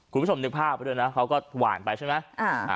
คุณผู้ชมนึกภาพเขาก็หวานไปใช่ไหม